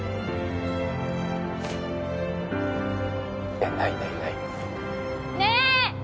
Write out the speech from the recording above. いやないないないねー！